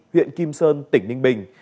huyện kim sơn tỉnh ninh bình